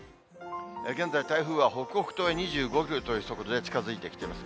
現在、台風は北北東へ２５キロという速度で近づいてきてます。